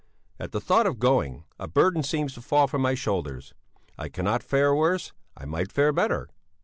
At the thought of going, a burden seems to fall from my shoulders; I cannot fare worse, I might fare better.